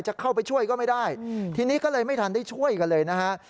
จะเข้าไปช่วยก็ไม่ได้ทีนี้ก็เลยไม่ทันได้ช่วยกันเลยนะฮะ